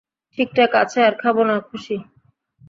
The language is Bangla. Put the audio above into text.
ঠিকআছে, আর খাবো না, খুশি?